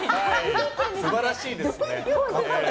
素晴らしいですね。